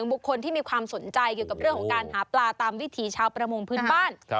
บุคคลที่มีความสนใจเกี่ยวกับเรื่องของการหาปลาตามวิถีชาวประมงพื้นบ้าน